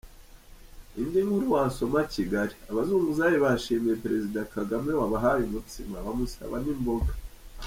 Indi nkuru wasoma Kigali: Abazunguzayi bashimiye Perezida Kagame wabahaye umutsima, bamusaba n’imboga.